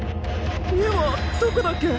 家はどこだっけ？